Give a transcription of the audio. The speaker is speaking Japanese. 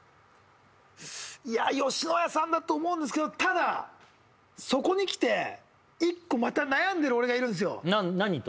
いや野家さんだと思うんですけどただそこにきて一個また悩んでる俺がいるんですよ何と？